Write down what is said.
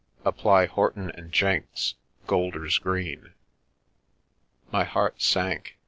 Apply Horton and Jenks, Golder's Green." My heart sank.